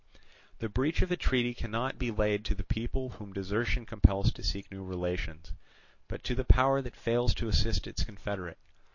The breach of a treaty cannot be laid to the people whom desertion compels to seek new relations, but to the power that fails to assist its confederate.